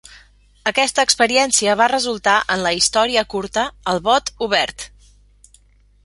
Aquesta experiència va resultar en la història curta "El bot obert".